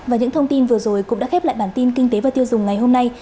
và những thông tin vừa rồi cũng đã khép lại bản tin kinh tế và tiêu dùng ngày hôm nay